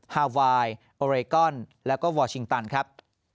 ฮาไวน์โอเรกอนแล้วก็วอร์ชิงตันครับ